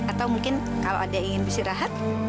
atau mungkin kalau ada yang ingin bersih rahat